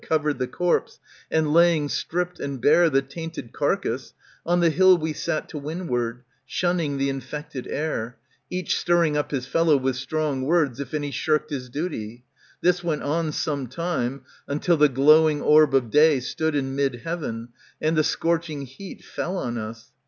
Covered the corpse, and laying stript and bare *^^ The tainted carcase, on the hill we sat To windward, shunning the infected air. Each stirring up his fellow with strong words, If any shirked his duty. This went on Some time, until the glowing orb of day Stood in mid heaven, and the scorching heat Fell on us.